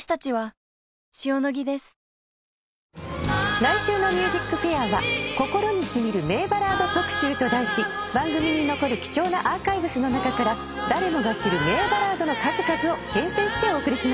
来週の『ＭＵＳＩＣＦＡＩＲ』は心に染みる名バラード特集と題し番組に残る貴重なアーカイブスの中から誰もが知る名バラードの数々を厳選してお送りします。